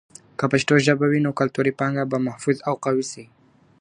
که پښتو ژبه وي، نو کلتوري پانګه به محفوظ او قوي سي.